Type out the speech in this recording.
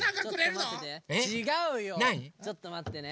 ちょっとまってね。